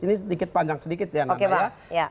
ini sedikit panjang sedikit ya namaya